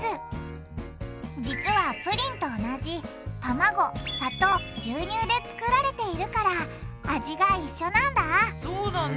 実はプリンと同じたまご砂糖牛乳で作られているから味がいっしょなんだそうなんだ。